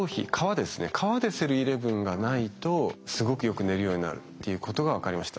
皮でｓｅｌー１１がないとすごくよく寝るようになるっていうことが分かりました。